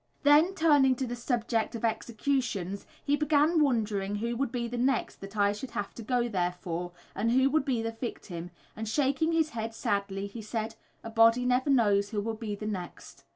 Then, turning to the subject of executions, he began wondering who would be the next that I should have to go there for, and who would be the victim, and shaking his head sadly, he said, "A body never knows who will be next."